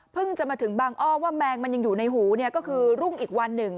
จะมาถึงบางอ้อว่าแมงมันยังอยู่ในหูก็คือรุ่งอีกวันหนึ่ง